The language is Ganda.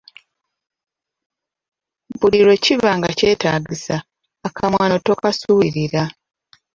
Buli lwe kiba nga kyetaagisa, akamwano tokasuulirira.